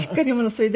それで。